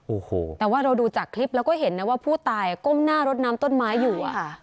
โอ้โหแต่ว่าเราดูจากคลิปแล้วก็เห็นนะว่าผู้ตายก้มหน้ารถน้ำต้นไม้อยู่อะค่ะ